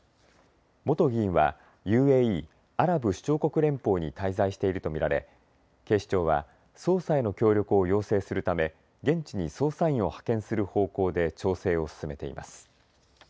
元議員はＵＡＥ・アラブ首長国連邦に滞在していると見られ、警視庁は捜査への協力を要請するため現地に捜査員を派遣する方向で調整を進めています。